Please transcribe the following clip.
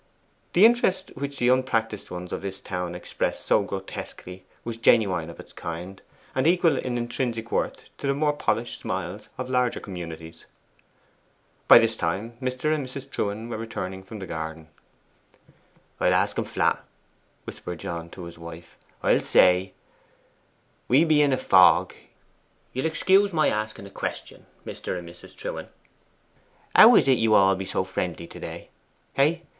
The interest which the unpractised ones of this town expressed so grotesquely was genuine of its kind, and equal in intrinsic worth to the more polished smiles of larger communities. By this time Mr. and Mrs. Trewen were returning from the garden. 'I'll ask 'em flat,' whispered John to his wife. 'I'll say, "We be in a fog you'll excuse my asking a question, Mr. and Mrs. Trewen. How is it you all be so friendly to day?" Hey?